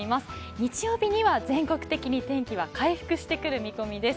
日曜日には全国的に天気は回復してくる見込みです。